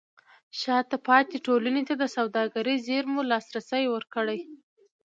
شاته پاتې ټولنې ته د سوداګرۍ زېرمو لاسرسی ورکړئ.